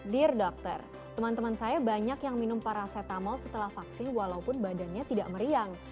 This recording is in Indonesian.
dear dokter teman teman saya banyak yang minum paracetamol setelah vaksin walaupun badannya tidak meriang